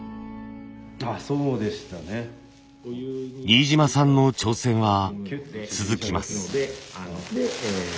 新島さんの挑戦は続きます。